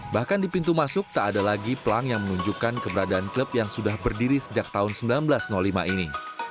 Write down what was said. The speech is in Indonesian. bahkan di pintu masuk tak ada lagi pelang yang menunjukkan keberadaan klub yang sudah berdiri sejak tahun seribu sembilan ratus lima ini